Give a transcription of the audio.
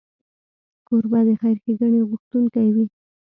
کوربه د خیر ښیګڼې غوښتونکی وي.